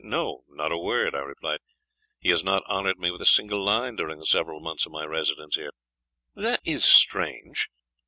"Not a word," I replied; "he has not honoured me with a single line during the several months of my residence here." "That is strange!